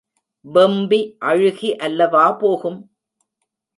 வெம்பி அழுகி அல்லவா போகும்.